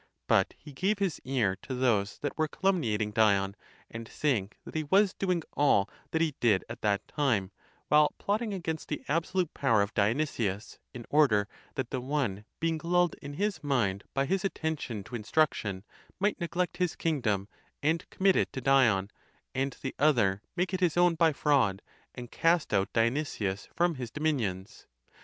But *(he gave his ear)? to those that were calumniating Dion, and saying that he was doing all that he did at that time, while plotting against the absolute power of Dionysius, in order that the one, being lulled in his mind by his attention to instruc tion, might neglect his kingdom, and commit it to Dion, and the other make it his own by fraud, and cast out Dionysius from his dominions.